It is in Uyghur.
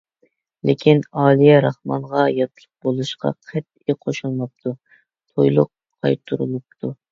لېكىن، ئالىيە راخمانغا ياتلىق بولۇشقا قەتئىي قوشۇلماپتۇ، تويلۇق قايتۇرۇلۇپتۇ.